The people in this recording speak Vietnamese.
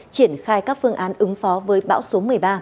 triển khai các phương án ứng phó với bão số một mươi ba